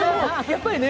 やっぱりね